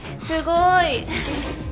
すごい。